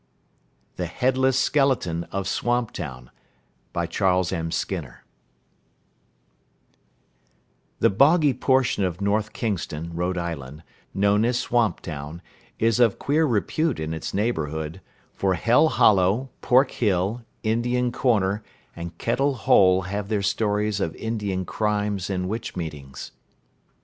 THE HEADLESS SKELETON OF SWAMPTOWN The boggy portion of North Kingston, Rhode Island, known as Swamptown, is of queer repute in its neighborhood, for Hell Hollow, Pork Hill, Indian Corner, and Kettle Hole have their stories of Indian crimes and witch meetings.